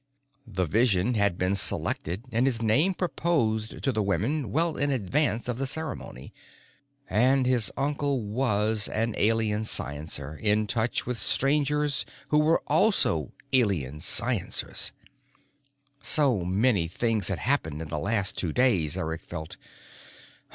The vision had been selected and his name proposed to the women well in advance of the ceremony. And his uncle was an Alien sciencer, in touch with Strangers who were also Alien sciencers.... So many things had happened in the last two days, Eric felt.